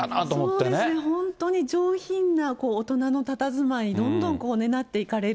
そうですね、本当に上品な大人のたたずまいにどんどんなっていかれる。